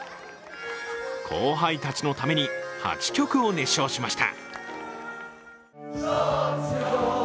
後輩たちのために８曲を熱唱しました。